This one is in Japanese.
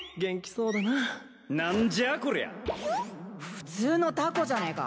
普通のタコじゃねえか。